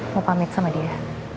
mau pamit sama dia